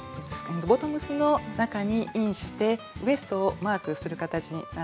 ボトムスの中にインしてウエストをマークする形になっていますね。